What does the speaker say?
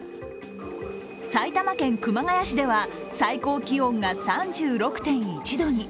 埼玉県熊谷市では最高気温が３６．１度に。